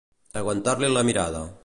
Aguantar-li la mirada.